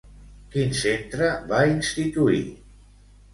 Quin centre va instituir?